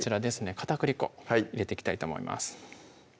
片栗粉入れていきたいと思います